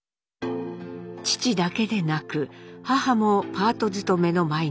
父だけでなく母もパート勤めの毎日。